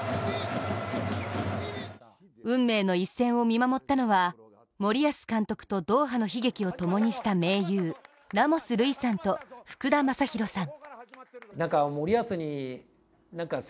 運命の一戦を見守ったのは森保監督とドーハの悲劇をともにした盟友ラモス瑠偉さんと福田正博さん。